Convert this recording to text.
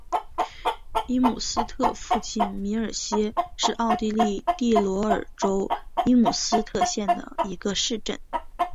伊姆斯特附近米尔斯是奥地利蒂罗尔州伊姆斯特县的一个市镇。